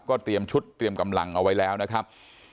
เตรียมชุดเตรียมกำลังเอาไว้แล้วนะครับ